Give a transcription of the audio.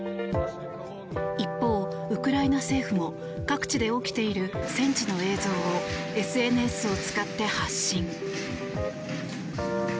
一方、ウクライナ政府も各地で起きている戦地の映像をＳＮＳを使って発信。